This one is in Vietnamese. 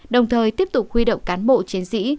đồng thời tiếp tục huy động cán bộ chiến sĩ